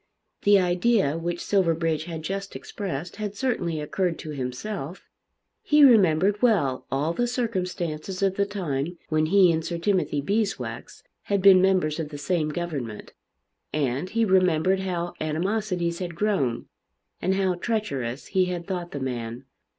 The idea which Silverbridge had just expressed had certainly occurred to himself. He remembered well all the circumstances of the time when he and Sir Timothy Beeswax had been members of the same government; and he remembered how animosities had grown, and how treacherous he had thought the man.